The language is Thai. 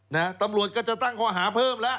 นะฮะตำรวจก็จะตั้งข้อหาเพิ่มแล้ว